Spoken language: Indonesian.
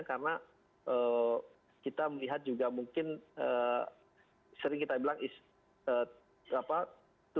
karena kita melihat juga mungkin sering kita bilang is too little too late gitu